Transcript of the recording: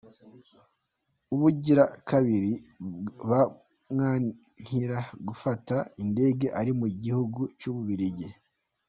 Ubugira kabiri bamwankira gufata indege ari mu gihugu c'ububiligi.